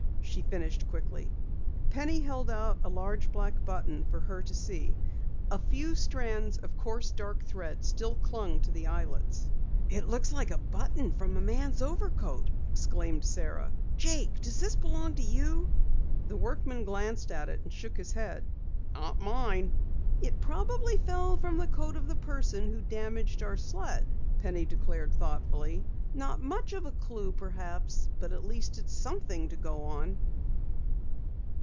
she finished quickly. Penny held out a large black button for her to see. A few strands of coarse dark thread still clung to the eyelets. "It looks like a button from a man's overcoat!" exclaimed Sara. "Jake, does this belong to you?" The workman glanced at it and shook his head. "Not mine." "It probably fell from the coat of the person who damaged our sled," Penny declared thoughtfully. "Not much of a clue, perhaps, but at least it's something to go on!"